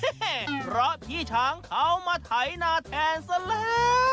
เพราะพี่ช้างเขามาไถนาแทนซะแล้ว